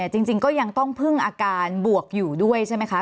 จริงก็ยังต้องพึ่งอาการบวกอยู่ด้วยใช่ไหมคะ